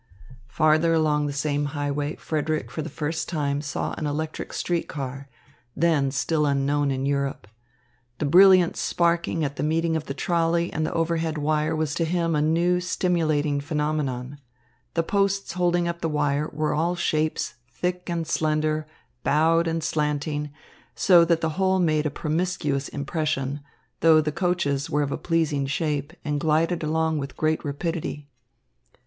Farther along on the same highway Frederick for the first time saw an electric street car, then still unknown in Europe. The brilliant sparking at the meeting of the trolley and the overhead wire was to him a new, stimulating phenomenon. The posts holding up the wire were all shapes, thick and slender, bowed and slanting, so that the whole made a promiscuous impression, though the coaches were of a pleasing shape and glided along with great rapidity.